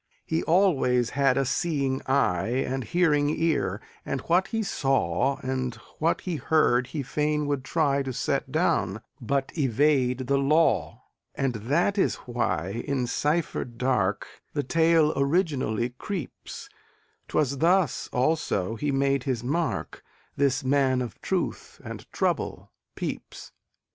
He always had a seeing eye And hearing ear, and what he saw And what he heard he fain would try To set down, but evade the law And that is why in cipher dark The tale originally creeps 'Twas thus, also, he made his mark, This man of truth and trouble, Pepys.